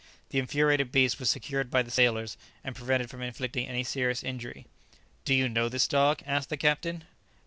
The infuriated beast was secured by the sailors, and prevented from inflicting any serious injury. "Do you know this dog?" asked the captain.